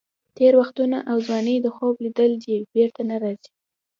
تېر وختونه او ځواني د خوب لیدل دي، بېرته نه راځي.